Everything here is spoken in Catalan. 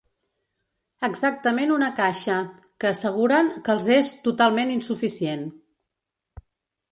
Exactament una caixa, que asseguren que els és totalment insuficient.